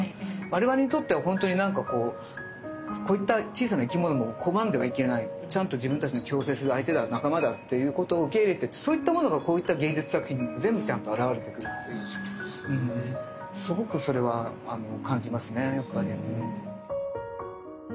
我々にとってはほんとになんかこうこういった小さな生き物も拒んではいけないちゃんと自分たちの共生する相手だ仲間だということを受け入れてそういったものがこういった芸術作品にも全部ちゃんと表れてくるっていうすごくそれは感じますねやっぱり。